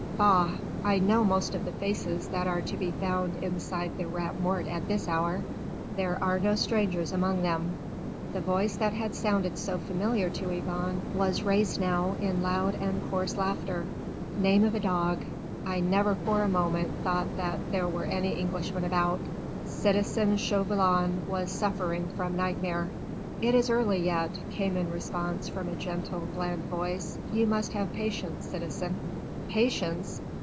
"Bah! I know most of the faces that are to be found inside the Rat Mort at this hour: there are no strangers among them." The voice that had sounded so familiar to Yvonne was raised now in loud and coarse laughter. "Name of a dog! I never for a moment thought that there were any Englishmen about. Citizen Chauvelin was suffering from nightmare." "It is early yet," came in response from a gentle bland voice, "you must have patience, citizen." "Patience?